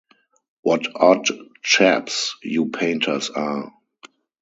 What odd chaps you painters are!